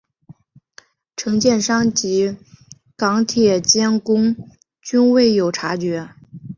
承建商及港铁监工均未有察觉。